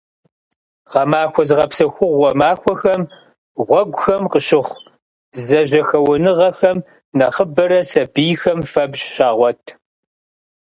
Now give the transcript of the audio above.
Гъэмахуэ зыгъэпсэхугъуэ махуэхэм гъуэгухэм къыщыхъу зэжьэхэуэныгъэхэм нэхъыбэрэ сабийхэм фэбжь щагъуэт.